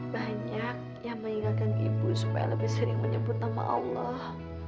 banyak yang mengingatkan ibu supaya lebih sering menyebut nama allah